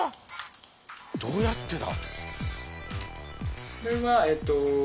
どうやってだ？